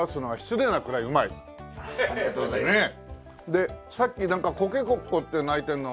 でさっきなんかコケコッコーって鳴いてるのは。